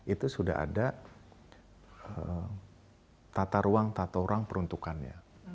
itu sudah ada tata ruang tata ruang peruntukannya